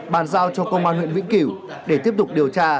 bàn giao cho công an huyện vĩnh kiểu để tiếp tục điều tra